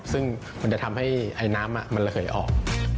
ซึ่งมันจะทำให้ไอน้ำมันระเหยออก